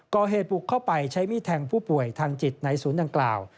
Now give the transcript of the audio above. ก่อเหตุบุกเข้าไปใช้มีดแทงผู้ป่วยทางจิตในศูนย์ดังกล่าว